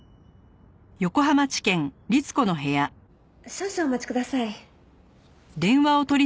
少々お待ちください。